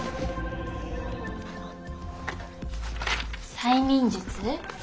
催眠術？